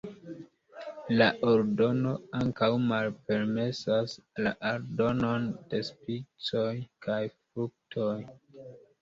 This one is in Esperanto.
La ordono ankaŭ malpermesas la aldonon de spicoj kaj fruktoj.